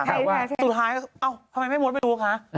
ถามว่าสุดท้ายเอ้าทำไมไม่มดไปดูคะ